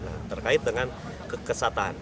nah terkait dengan kekesatan